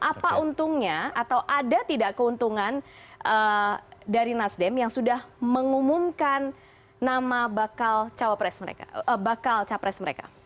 apa untungnya atau ada tidak keuntungan dari nasdem yang sudah mengumumkan nama bakal capres mereka